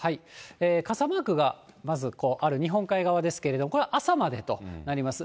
傘マークがまず、ある日本海側ですけれども、これは朝までとなります。